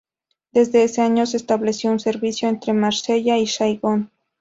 Desde ese año se estableció un servicio entre Marsella y Saigón.